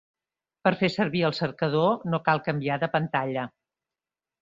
Per fer servir el cercador, no cal canviar de pantalla.